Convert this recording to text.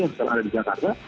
yang sekarang ada di jakarta